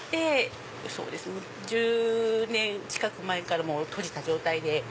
そうですね１０年近く前から閉じた状態で。